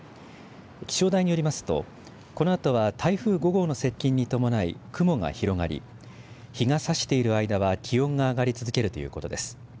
気象台によりますとこのあとは台風５号の接近に伴い雲が広がり日がさしている間は気温が上がり続けるということです。